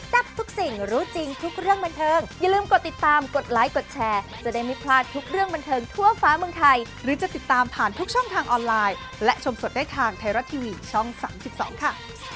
แต่อ่ะที่ชมโชคดีทุกคนก็ละกันนะคะ